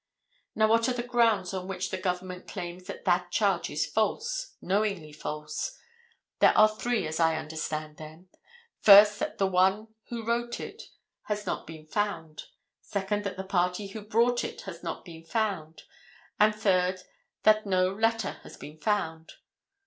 Now what are the grounds on which the government claims that that charge is false, knowingly false? There are three, as I understand them. First, that the one who wrote it has not been found: second, that the party who brought it has not been found, and third, that no letter has been found.